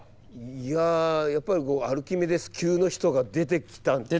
いややっぱりアルキメデス級の人が出てきたんですね